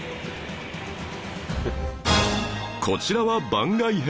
こちらは番外編